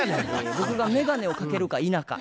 僕が眼鏡をかけるか否か。